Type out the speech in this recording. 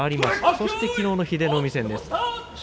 そして、きのうの英乃海戦です。